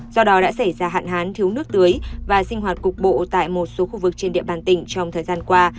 do đó đã xảy ra hạn hán thiếu nước tưới và sinh hoạt cục bộ tại một số khu vực trên địa bàn tỉnh trong thời gian qua